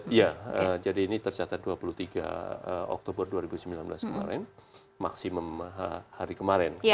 iya jadi ini tercatat dua puluh tiga oktober dua ribu sembilan belas kemarin maksimum hari kemarin